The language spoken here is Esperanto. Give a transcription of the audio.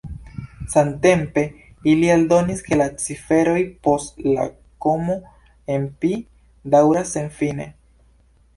Samtempe, ili aldonis, ke la ciferoj post la komo en pi daŭras senfine.